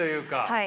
はい。